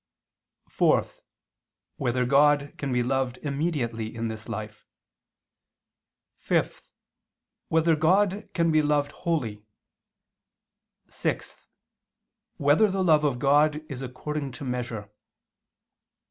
(4) Whether God can be loved immediately in this life? (5) Whether God can be loved wholly? (6) Whether the love of God is according to measure?